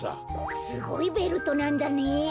すごいベルトなんだねえ。